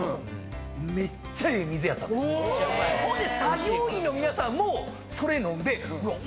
ほんで作業員の皆さんもそれ飲んでうわっ！